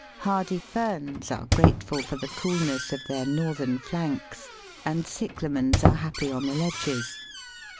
Hardy Ferns are grateful for the coolness of their northern flanks, and Cyclamens are happy on the ledges.